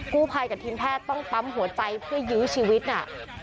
กู้ภัยกับทีมแพทย์ต้องปั๊มหัวใจเพื่อยื้อชีวิตน่ะ